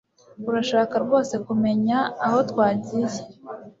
Urashaka rwose kumenya aho twagiye